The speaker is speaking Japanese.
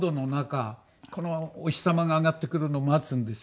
このお日様が上がってくるのを待つんですよ。